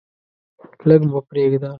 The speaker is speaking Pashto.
لږ مو پریږده.